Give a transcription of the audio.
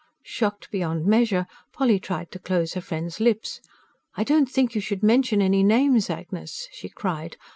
Shocked beyond measure, Polly tried to close her friend's lips. "I don't think you should mention any names, Agnes," she cried.